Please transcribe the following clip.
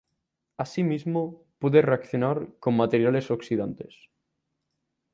Asimismo, puede reaccionar con materiales oxidantes.